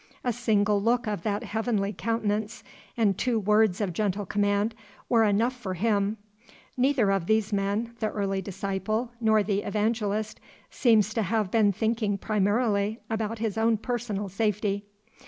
A single look of that heavenly countenance, and two words of gentle command, were enough for him. Neither of these men, the early disciple, nor the evangelist, seems to have been thinking primarily about his own personal safety.